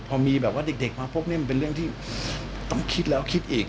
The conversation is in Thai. พอมีแบบว่าเด็กมาปุ๊บนี่มันเป็นเรื่องที่ต้องคิดแล้วคิดอีก